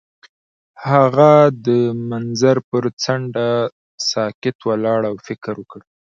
هغه د منظر پر څنډه ساکت ولاړ او فکر وکړ.